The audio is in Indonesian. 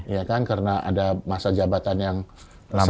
ya kan karena ada masa jabatan yang lama